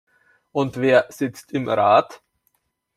Und wer sitzt im Rat?